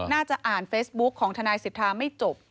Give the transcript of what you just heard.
น่าจะอ่านเฟซบุ๊คของทนายสิทธาไม่จบ